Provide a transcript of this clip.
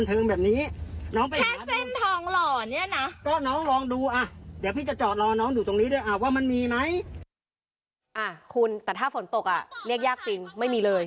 เรียกยากจริงไม่มีเลย